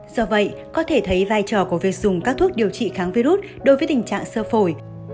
do vậy có thể thấy vai trò của việc dùng các thuốc điều trị kháng virus đối với tình trạng sơ phổi